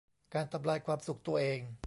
การทำลายความสุขตัวเอง